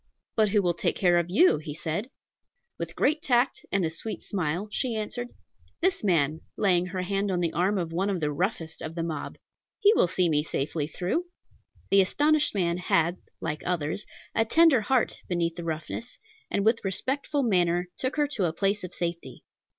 "But who will take care of you?" he said. With great tact and a sweet smile, she answered, "This man," laying her hand on the arm of one of the roughest of the mob; "he will see me safe through." The astonished man had, like others, a tender heart beneath the roughness, and with respectful manner took her to a place of safety.